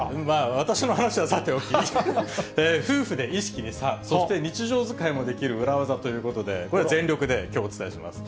私の話はさておき、夫婦で意識に差、そして日常使いもできる裏技ということで、これ、全力できょう、お伝えします。